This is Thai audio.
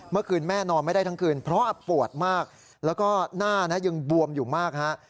เมื่อคืนแม่นอนไม่ได้ทั้งคืนเพราะปวดมากแล้วก็หน้านะยังบวมอยู่มากฮะ